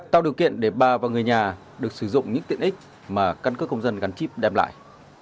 tạo điều kiện để bà và người nhà được sử dụng những tiện ích mà căn cước công dân gắn chip đem lại